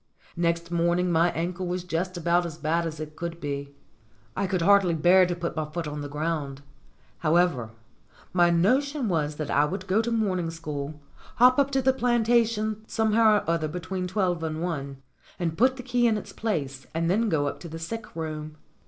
Next morning my ankle was just about as bad as it could be. I could hardly bear to put my foot on the ground. However, my notion was that I would go to morning school, hop up to the plantation, THE KEY OF THE HEN HOUSE 171 somehow or other, between twelve and one, and put the key in its place, and then go up to the sick room.